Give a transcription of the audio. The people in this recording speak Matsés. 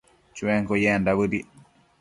Chuenquio yendac bëdic